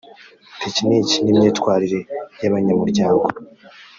tekiniki n imyitwarire y abanyamuryango